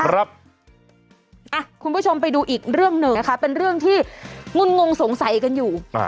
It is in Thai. คุณผู้ชมไปดูอีกเรื่องหนึ่งนะคะเป็นเรื่องที่งุ่นงงสงสัยกันอยู่